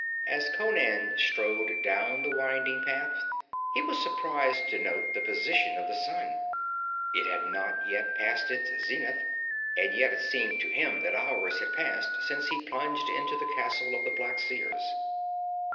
As Conan strode down the winding path, he was surprised to note the position of the sun. It had not yet passed its zenith; and yet it seemed to him that hours had passed since he plunged into the castle of the Black Seers.